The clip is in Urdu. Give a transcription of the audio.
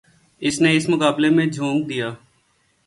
اس نے اس مقابلے میں جھونک دیا۔